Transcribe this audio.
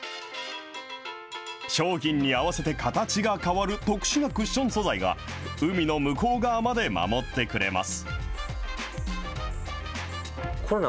商品に合わせて形が変わる特殊なクッション素材が、海の向こう側まで守ってくれます。